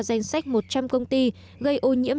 danh sách một trăm linh công ty gây ô nhiễm